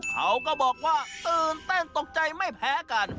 เขาก็บอกว่าตื่นเต้นตกใจไม่แพ้กัน